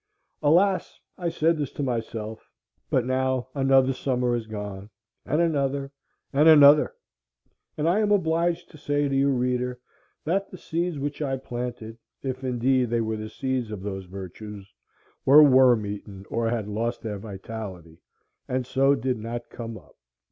Alas! I said this to myself; but now another summer is gone, and another, and another, and I am obliged to say to you, Reader, that the seeds which I planted, if indeed they were the seeds of those virtues, were wormeaten or had lost their vitality, and so did not come up.